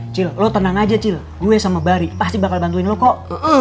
cil lo tenang aja cil gue sama bari pasti bakal bantuin lo kok